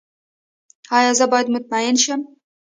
ایا زه باید مطمئن شم؟